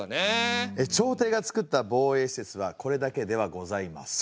朝廷がつくった防衛施設はこれだけではございません。